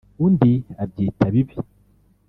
undi abyita bibi